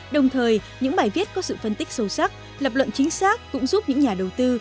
đồng thời những bài viết có sự phân tích sâu sắc lập luận chính xác cũng giúp những nhà đầu tư